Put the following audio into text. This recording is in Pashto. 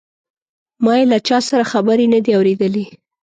ما یې له چا سره خبرې نه دي اوریدلې.